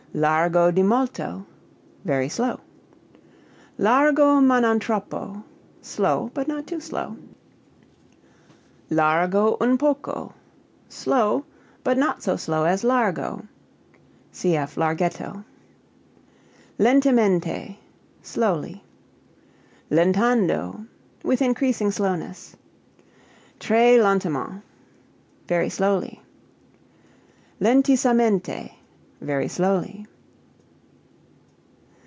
Largo di molto very slow. Largo ma non troppo slow, but not too slow. Largo un poco slow, but not so slow as largo. (Cf. larghetto.) Lentemente slowly. Lentando with increasing slowness. Très lentement very slowly. Lentissamente very slowly.